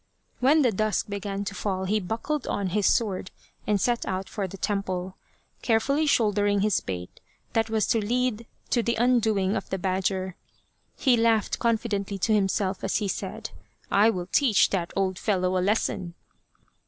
When the dusk began to fall he buckled on his sword and set out for the temple, carefully shouldering his bait that was to lead to the undoing of the badger. He laughed confidently to himself as he said :" I will teach the old fellow a lesson